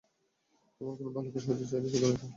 আমার কোনো ভালুকের সাহায্য চাই না, শুধু লাঠিটা হলেই চলবে।